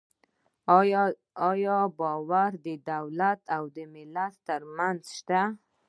آیا باور د دولت او ملت ترمنځ شته؟